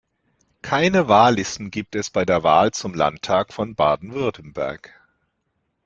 Keine Wahllisten gibt es bei der Wahl zum Landtag von Baden-Württemberg.